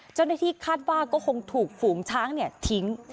เจ้าหน้าที่คาดว่าก็คงถูกฝูงช้างทิ้ง